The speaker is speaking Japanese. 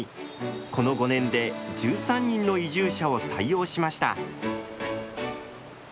この５年で１３人の移住者を採用しました。